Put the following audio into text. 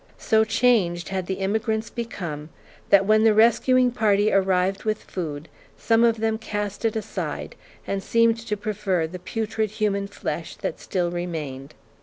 So changed had the emigrants become that when the rescuing party arrived with food, some of them cast it aside, and seemed to prefer the putrid human flesh that still remained.